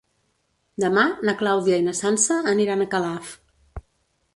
Demà na Clàudia i na Sança aniran a Calaf.